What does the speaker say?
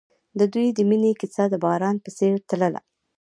د دوی د مینې کیسه د باران په څېر تلله.